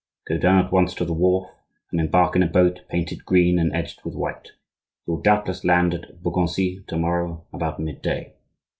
Go down at once to the wharf, and embark in a boat painted green and edged with white. You will doubtless land at Beaugency to morrow about mid day.